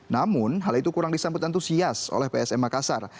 namun hal itu kurang disambut antusias oleh psm makassar